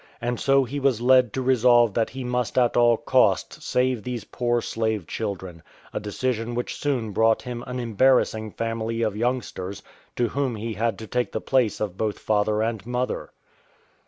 And so he was led to resolve that he must at all costs save these poor slave children — a decision which soon brought him an embarrassing family of youngsters to whom he had to take the place of both father and mother.